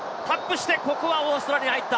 ここはオーストラリアが入った。